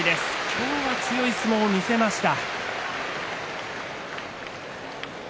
今日は強い相撲を見せました。